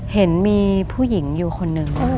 เห็นมีผู้หญิงอยู่คนหนึ่ง